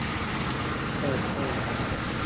他也撤退了。